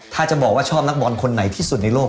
ถ้าจะบอกว่าชอบนักบอลคนไหนที่สุดในโลก